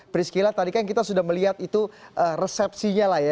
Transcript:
priscila tadi kan kita sudah melihat itu resepsinya lah ya